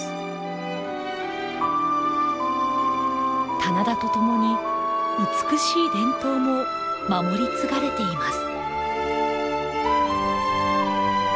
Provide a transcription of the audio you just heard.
棚田と共に美しい伝統も守り継がれています。